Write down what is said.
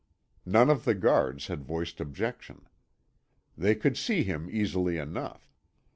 None of the guards had voiced objection. They could see him easily enough.